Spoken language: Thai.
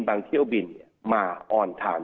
บางเครื่องบินมาออนทาร์ด